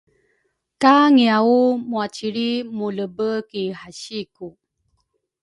ka ngiau muacilri mulebe ki hasiku.